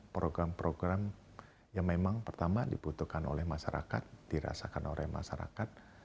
program program yang memang pertama dibutuhkan oleh masyarakat dirasakan oleh masyarakat